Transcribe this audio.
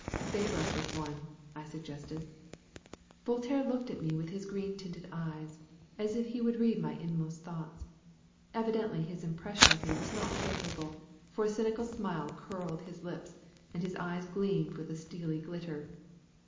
"Favour us with one," I suggested. Voltaire looked at me with his green tinted eyes, as if he would read my innermost thoughts. Evidently his impression of me was not favourable, for a cynical smile curled his lips, and his eyes gleamed with a steely glitter.